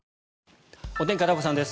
お天気、片岡さんです。